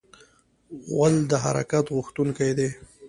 غول د حرکت غوښتونکی دی.